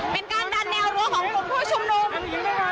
เป็นการดันแนวรั้วของกลุ่มผู้ชุมนุม